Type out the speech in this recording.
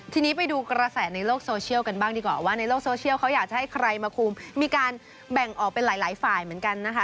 ทีนี้ไปดูกระแสในโลกโซเชียลกันบ้างดีกว่าว่าในโลกโซเชียลเขาอยากจะให้ใครมาคุมมีการแบ่งออกเป็นหลายฝ่ายเหมือนกันนะคะ